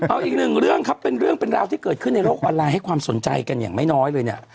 เอาอีกหนึ่งเรื่องครับเป็นเรื่องเป็นราวที่เกิดขึ้นในโลกออนไลน์ให้ความสนใจกันอย่างไม่น้อยเลยเนี่ย